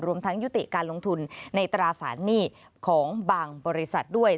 ทั้งยุติการลงทุนในตราสารหนี้ของบางบริษัทด้วย